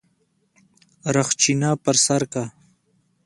رخچينه پر سر که.